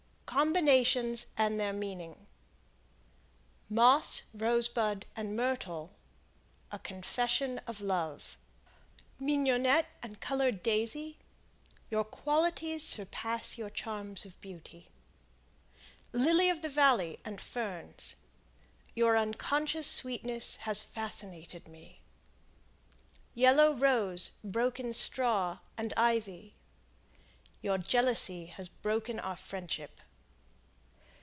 Combinations and Their Meaning. Moss, Rosebud and Myrtle "A confession of love." Mignonette and Colored Daisy "Your qualities surpass your charms of beauty." Lily of the Valley and Ferns "Your unconscious sweetness has fascinated me." Yellow Rose, Broken Straw and Ivy "Your jealousy has broken our friendship."